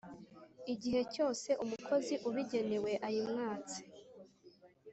igihe cyose umukozi ubigenewe ayimwatse.